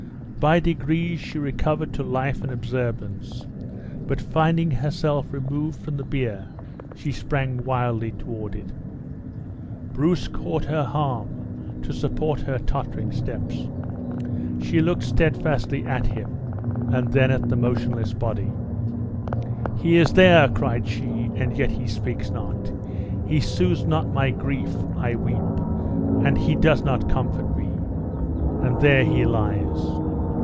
By degrees she recovered to life and observance; but finding herself removed from the bier, she sprang wildly toward it. Bruce caught her arm to support her tottering steps. She looked steadfastly at him, and then at the motionless body. "He is there," cried she, "and yet he speaks not! He soothes not my grief I weep, and he does not comfort me! And there he lies!